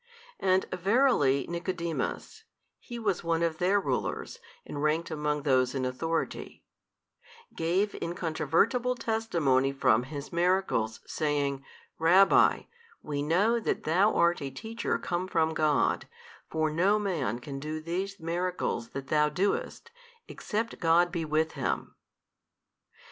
And verily Nicodemus (he was one of their rulers, and ranked among those in authority) gave incontrovertible testimony from His miracles, saying, Rabbi, we know that Thou art a Teacher come from God, for no man can do these miracles that THOU doest, except God be with Him.